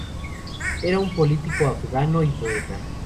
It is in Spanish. Él era un político afgano y poeta.